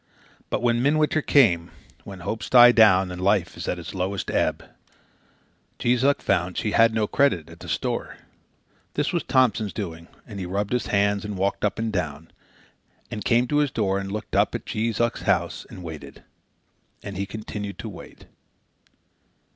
But when midwinter came, when hope dies down and life is at its lowest ebb, Jees Uck found she had no credit at the store. This was Thompson's doing, and he rubbed his hands, and walked up and down, and came to his door and looked up at Jees Uck's house and waited. And he continued to wait.